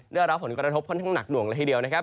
ได้รับผลกระทบค่อนข้างหนักหน่วงละทีเดียวนะครับ